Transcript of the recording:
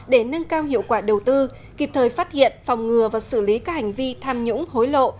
để nâng cao hiệu quả đầu tư kịp thời phát hiện phòng ngừa và xử lý các hành vi tham nhũng hối lộ